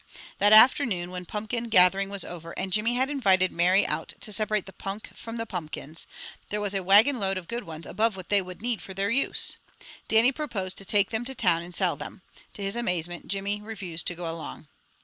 That afternoon when pumpkin gathering was over and Jimmy had invited Mary out to separate the "punk" from the pumpkins, there was a wagon load of good ones above what they would need for their use. Dannie proposed to take them to town and sell them. To his amazement Jimmy refused to go along.